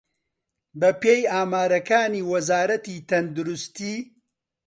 بەپێی ئامارەکانی وەزارەتی تەندروستی